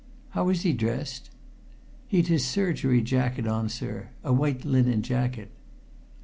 "How was he dressed?" "He'd his surgery jacket on, sir a white linen jacket."